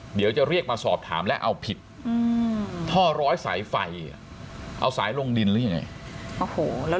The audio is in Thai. เดี๋ยวจะเรียกมาสอบถามและเอาผิดท่อร้อยสายไฟเอาสายลงดินหรือยังไง